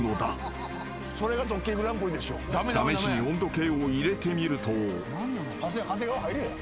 ［試しに温度計を入れてみると］